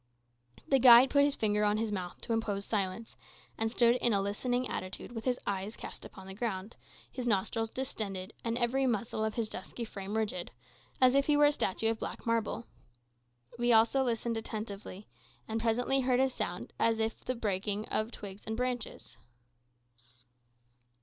The guide put his finger on his mouth to impose silence, and stood in a listening attitude with his eyes cast upon the ground, his nostrils distended, and every muscle of his dusky frame rigid, as if he were a statue of black marble. We also listened attentively, and presently heard a sound as of the breaking of twigs and branches.